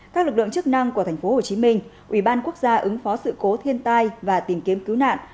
các lực lượng chức năng của tp hcm ủy ban quốc gia ứng phó sự cố thiên tai và tìm kiếm cứu nạn